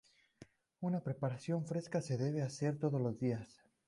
Una preparación fresca se debe hacer todos los días.